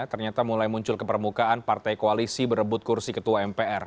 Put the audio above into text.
ternyata mulai muncul ke permukaan partai koalisi berebut kursi ketua mpr